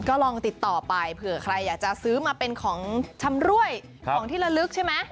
ก็ลองติดต่อไปเผื่อใครอยากจะซื้อมาเป็นของชำรวยของที่ละลึกใช่ไหม